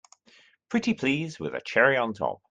Pretty please with a cherry on top!